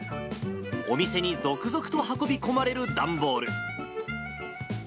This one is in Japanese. お店に続々と運び込まれる段ボール。